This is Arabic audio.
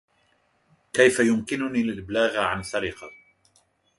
كيف يمكنني الإبلاغ عن سرقة؟